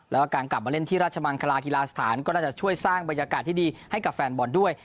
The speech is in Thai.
แล้วก็การกลับมาเล่นที่ราชมังคลากีฬาสถานก็น่าจะช่วยสร้างบรรยากาศที่ดีให้กับแฟนบอลด้วย